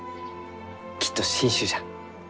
きっと新種じゃ。